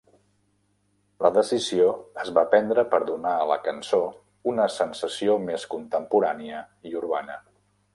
La decisió es va prendre per donar a la cançó una sensació més contemporània i urbana.